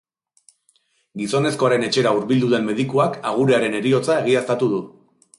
Gizonezkoaren etxera hurbildu den medikuak agurearen heriotza egiaztatu du.